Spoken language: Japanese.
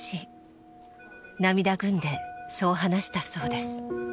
涙ぐんでそう話したそうです。